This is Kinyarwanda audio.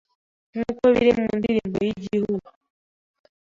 nkuko biri mu ndirimbo y’Igihug